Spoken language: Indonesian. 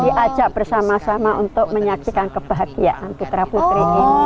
diajak bersama sama untuk menyaksikan kebahagiaan putra putri ini